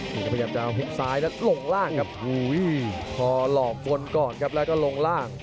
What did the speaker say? นี่ครับพยายามจะเอาหุบซ้ายแล้วลงล่างครับพอหลอกบนก่อนครับแล้วก็ลงล่าง